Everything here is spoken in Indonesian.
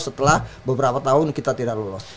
setelah beberapa tahun kita tidak lolos